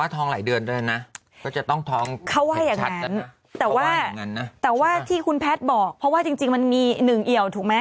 แต่ว่าแต่ว่าที่คุณแพทย์บอกเพราะว่าจริงมันมีหนึ่งเอี่ยวถูกไหม